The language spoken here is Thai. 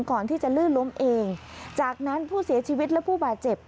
ก่อนที่จะลื่นล้มเองจากนั้นผู้เสียชีวิตและผู้บาดเจ็บ